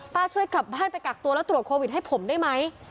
ช่วยกลับบ้านไปกักตัวแล้วตรวจโควิดให้ผมได้ไหม